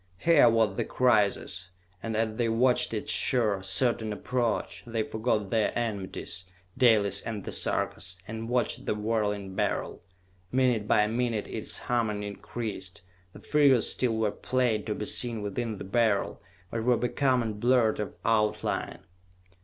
Here was the crisis, and as they watched its sure, certain approach, they forgot their enmities, Dalis and the Sarkas, and watched the whirling Beryl. Minute by minute its humming increased. The figures still were plain to be seen within the Beryl, but were becoming blurred of outline.